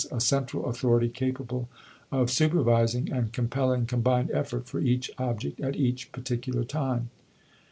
a central authority capable of supervising and compelling combined effort for each object at each particular time."